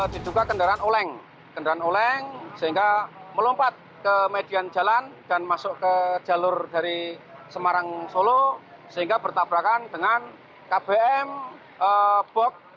diduga kendaraan oleng kendaraan oleng sehingga melompat ke median jalan dan masuk ke jalur dari semarang solo sehingga bertabrakan dengan kbm bok